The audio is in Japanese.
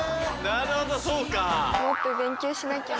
なるほどそうか。